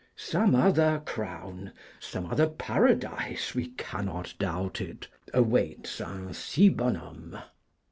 Some other crown, some other Paradise, we cannot doubt it, awaited un si bon homme.